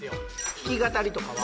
弾き語りとかは？